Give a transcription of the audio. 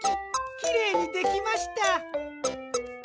きれいにできました。